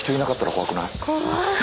怖い。